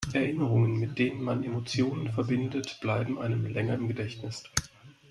Erinnerungen, mit denen man Emotionen verbindet, bleiben einem länger im Gedächtnis.